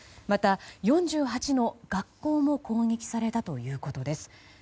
また、４８の学校も攻撃されたということです。